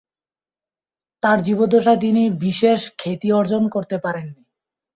তার জীবদ্দশায় তিনি বিশেষ খ্যাতি অর্জন করতে পারেননি।